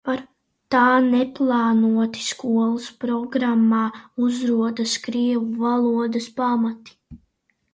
Tā neplānoti skolas programmā uzrodas krievu valodas pamati.